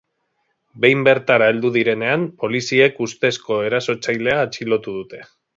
Behin bertara heldu direnean, poliziek ustezko erasotzailea atxilotu dute.